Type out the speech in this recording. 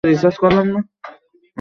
ক্ষমা চাওয়ার সুযোগও তুমি দাওনি।